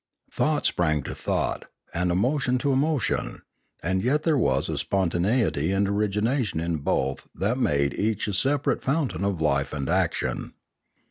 Thought sprang to thought, and emotion to emotion, and yet there was a spontaneity and origination in both that made each a separate fountain of life and action.